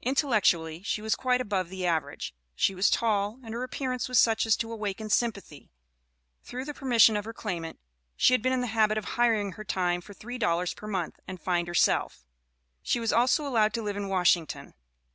Intellectually, she was quite above the average; she was tall, and her appearance was such as to awaken sympathy. Through the permission of her claimant she had been in the habit of hiring her time for three dollars per month and find herself; she was also allowed to live in Washington.